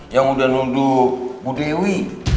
yang udah nunduk bu dewi